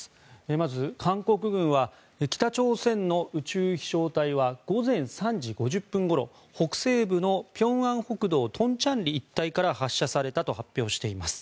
まず、韓国軍は北朝鮮の宇宙飛翔体は午前３時５０分ごろ北西部の平安北道東倉里一帯から発射されたと発表しています。